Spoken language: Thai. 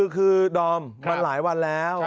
คือดอมมันหลายวันแล้ว